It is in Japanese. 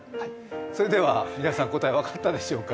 それでは皆さん、答え分かったでしょうか。